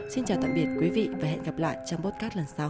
xin chào tạm biệt quý vị và hẹn gặp lại trong podcast lần sau